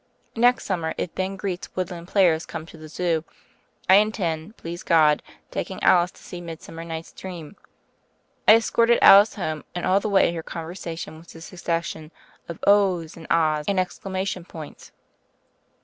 Next summer, if Ben Greet's Woodland Players come to the Zoo, I intend, please God, taking Alice to see Midsummer wight's Dream. I escorted Alice home, and all the way her conversation was a succession of *ohs' and *ahs' and exclamation points.